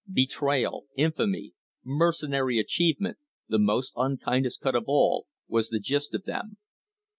"Betrayal," "infamy," "mercenary achievement," "the most unkindest cut of all," was the gist of them.